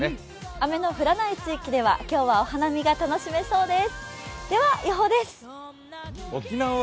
雨の降らない地域では今日はお花見が楽しめそうです。